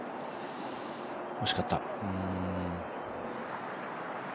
惜しかった。